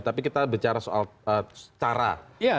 tapi kita bicara soal cara